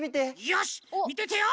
よしみててよ！